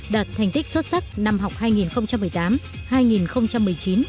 đạt thành tích xuất sắc năm học hai nghìn một mươi tám hai nghìn một mươi chín